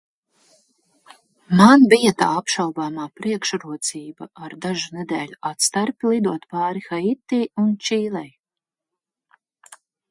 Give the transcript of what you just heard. Man bija tā apšaubāmā priekšrocība ar dažu nedēļu atstarpi lidot pāri Haiti un Čīlei.